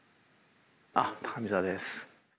あっ高見沢です。